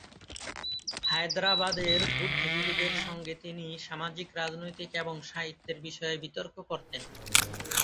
হায়দ্রাবাদের বুদ্ধিজীবীদের সংগে তিনি সামাজিক, রাজনৈতিক এবং সাহিত্যের বিষয়ে বিতর্ক করতেন।